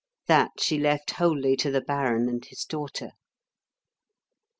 That she left wholly to the baron and his daughter.